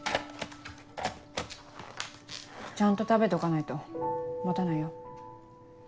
ちゃんと食べとかないと持たないよ。